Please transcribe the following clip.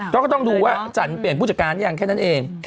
เขาก็ต้องดูว่าจันทร์เปลี่ยนผู้จักรรจริงไหมอย่างแค่นั้นเอง